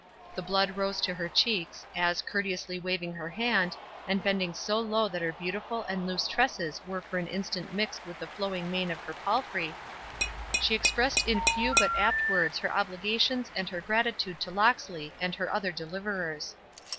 The blood rose to her cheeks, as, courteously waving her hand, and bending so low that her beautiful and loose tresses were for an instant mixed with the flowing mane of her palfrey, she expressed in few but apt words her obligations and her gratitude to Locksley and her other deliverers.